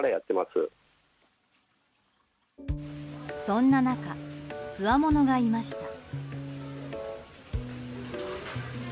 そんな中つわものがいました。